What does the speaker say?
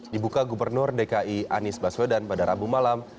dibuka gubernur dki anies baswedan pada rabu malam